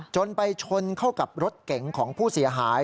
จนไปชนเข้ากับรถเก๋งของผู้เสียหาย